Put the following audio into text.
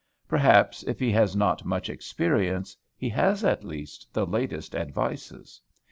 Perhaps, if he has not much experience, he has, at least, the latest advices.